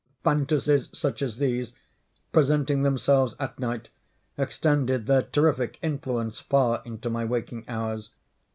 Phantasies such as these, presenting themselves at night, extended their terrific influence far into my waking hours.